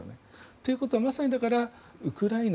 ということはまさに、だから、ウクライナ